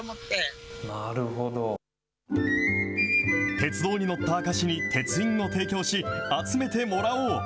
鉄道に乗った証しに鉄印を提供し、集めてもらおう。